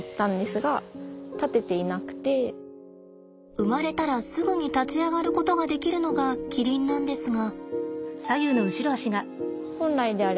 生まれたらすぐに立ち上がることができるのがキリンなんですが。